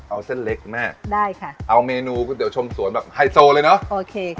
เอาเส้นเล็กคุณแม่ได้ค่ะเอาเมนูก๋วยเตี๋ชมสวนแบบไฮโซเลยเนอะโอเคค่ะ